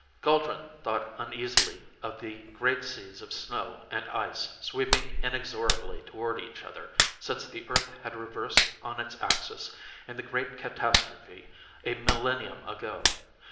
Guldran thought uneasily of the great seas of snow and ice sweeping inexorably toward each other since the Earth had reversed on its axis in the great catastrophe a millennium ago.